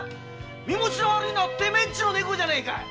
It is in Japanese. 身もちの悪いのはてめえんちの猫じゃねえか！